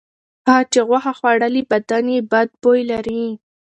هغه چې غوښه خوړلې بدن یې بد بوی لري.